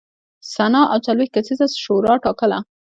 سنا او څلوېښت کسیزه شورا ټاکله.